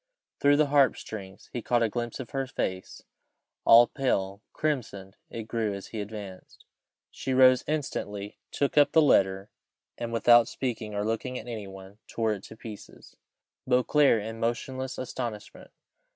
Through the harp strings he caught a glimpse of her face, all pale crimsoned it grew as he advanced: she rose instantly, took up the letter, and, without speaking or looking at any one, tore it to pieces. Beauclerc in motionless astonishment.